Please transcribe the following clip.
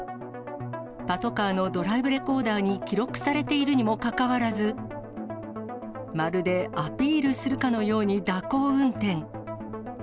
パトカーのドライブレコーダーに記録されているにもかかわらず、まるでアピールするかのように蛇行運転。